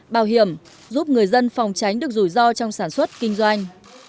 bảo hiểm giúp người dân phòng tránh được rủi ro trong sản xuất kinh doanh